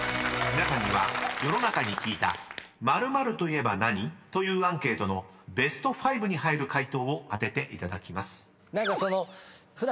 ［皆さんには世の中に聞いた○○といえば何？というアンケートのベスト５に入る回答を当てていただきます］